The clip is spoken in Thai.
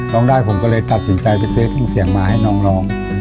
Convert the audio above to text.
ร้องได้ผมก็เลยตัดสินใจไปซื้อเครื่องเสียงมาให้น้องร้อง